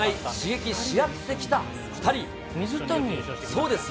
そうです。